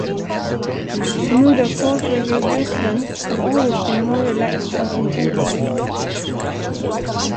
The mood of Salt River residents have always been more relaxed and contented.